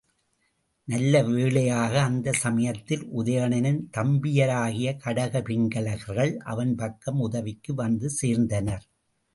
நல்லவேளையாக அந்தச் சமயத்தில் உதயணனின் தம்பியராகிய கடக பிங்கலர்கள் அவன் பக்கம் உதவிக்கு வந்து சேர்ந்தனர்.